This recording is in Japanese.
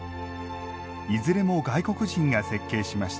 いずれも外国人が設計しました。